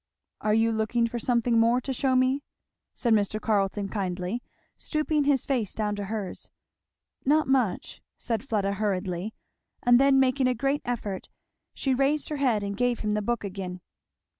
"Are you looking for something more to shew me?" said Mr. Carleton kindly, stooping his face down to hers. "Not much," said Fleda hurriedly; and then making a great effort she raised her head and gave him the book again.